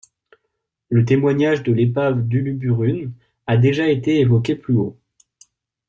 Le témoignage de l'épave d'Uluburun a déjà été évoqué plus haut.